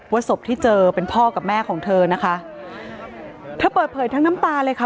ศพที่เจอเป็นพ่อกับแม่ของเธอนะคะเธอเปิดเผยทั้งน้ำตาเลยค่ะ